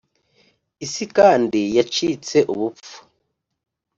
isi kandi yacitse ubupfu! "